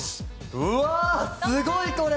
うわあすごいこれ！